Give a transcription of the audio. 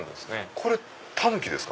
これタヌキですか？